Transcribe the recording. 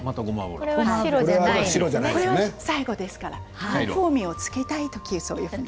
これは最後ですから風味を付けたいときに。